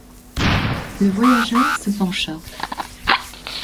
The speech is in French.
Le voyageur se pencha.